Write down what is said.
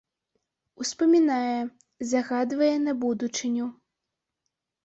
Успамінае, загадвае на будучыню.